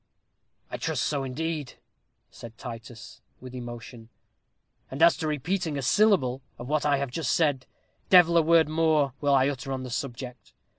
"I trust so, indeed," said Titus, with emotion; "and as to repeating a syllable of what I have just said, devil a word more will I utter on the subject.